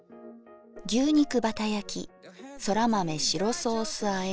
牛肉バタ焼きそら豆白ソースあえ